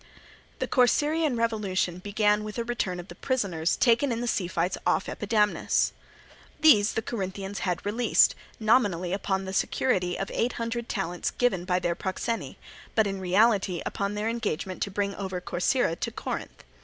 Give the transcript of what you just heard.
The Corcyraean revolution began with the return of the prisoners taken in the sea fights off Epidamnus. These the Corinthians had released, nominally upon the security of eight hundred talents given by their proxeni, but in reality upon their engagement to bring over Corcyra to Corinth.